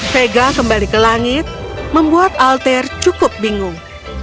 vega kembali ke langit membuat alter cukup bingung